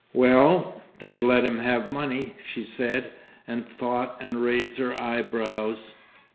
"Well, they've let him have money," she said, and thought and raised her eyebrows.